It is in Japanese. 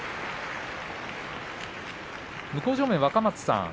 向正面若松さん